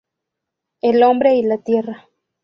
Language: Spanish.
El hombre y la Tierra".